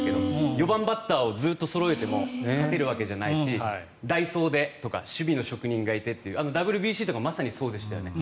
４番バッターをずっとそろえても勝てるわけじゃないし代走でとか守備の職人がいてというＷＢＣとかまさにそうでしたよね。